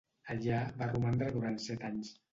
Allà va romandre durant set anys.